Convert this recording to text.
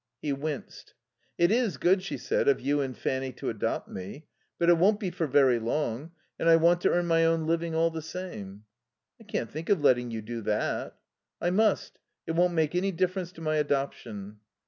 He winced. "It is good," she said, "of you and Fanny to adopt me. But it won't be for very long. And I want to earn my own living all the same." "I can't think of letting you do that." "I must. It won't make any difference to my adoption."